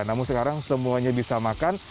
namun sekarang semuanya bisa makan